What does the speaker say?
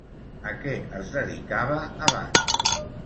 A què es dedicava abans?